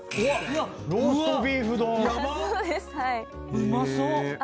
うまそう！